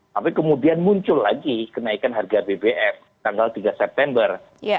tapi kemudian muncul lagi kenaikan harga bbm tanggal tiga september